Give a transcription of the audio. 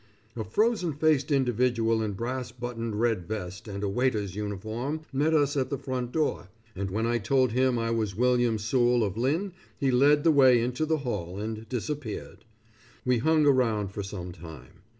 A frozen faced individual in brass buttoned red vest and a waiter's uniform met us at the front door, and when I told him I was William Soule of Lynn he led the way into the hall and disappeared. We hung around for some time.